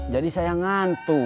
jadi saya ngantuk